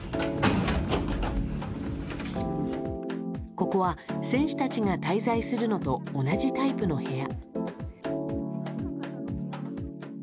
ここは、選手たちが滞在するのと同じタイプの部屋。